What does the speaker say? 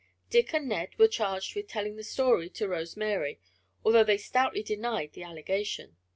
"Dick" and "Ned" were charged with telling the story to Rose Mary, although they stoutly denied the allegation.